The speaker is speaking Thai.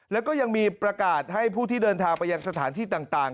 แล้วก็ยังมีประกาศให้ผู้ที่เดินทางไปยังสถานที่ต่าง